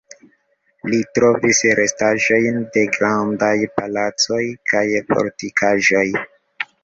Li trovis restaĵojn de grandaj palacoj kaj fortikaĵoj.